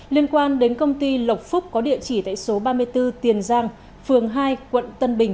liên quan đến công ty lộc phúc có địa chỉ tại số ba mươi bốn tiền giang phường hai quận tân bình